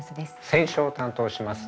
選書を担当します